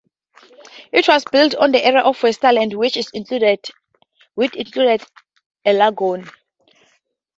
It was built on an area of wasteland which included a lagoon.